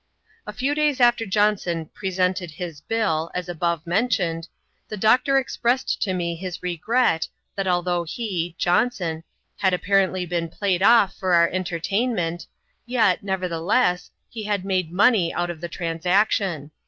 A few days after Johnson presented his bill, as above men tioned, the doctor expressed to me his regret, that although he (Johnson) had apparently been played off for our entertain ment, yet, nevertheless, he had made money out of the trans action.